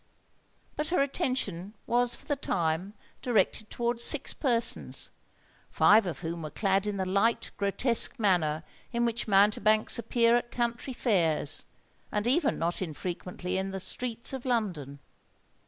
But her attention was for the time directed towards six persons, five of whom were clad in the light grotesque manner in which mountebanks appear at country fairs, and even not unfrequently in the streets of London.